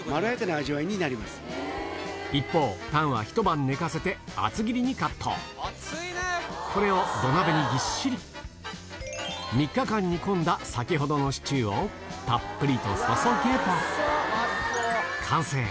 一方タンはひと晩寝かせて厚切りにカットこれを土鍋にぎっしり３日間煮込んだ先ほどのシチューをたっぷりと注げば完成